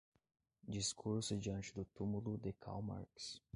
Discurso Diante do Tumulo de Karl Marx